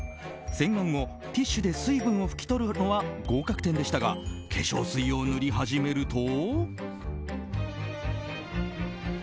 洗顔後、ティッシュで水分を拭き取るのは合格点でしたが化粧水を塗り始めると。